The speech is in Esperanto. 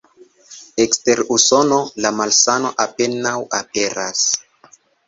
Ekster Usono, la malsano apenaŭ aperas.